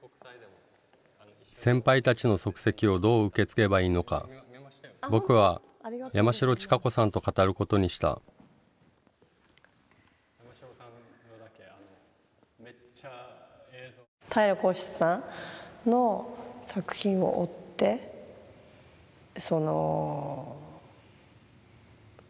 先輩たちの足跡をどう受け継げばいいのか僕は山城知佳子さんと語ることにした平良孝七さんの作品を追ってま